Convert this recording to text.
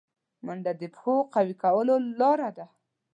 منډه د پښو قوي کولو لاره ده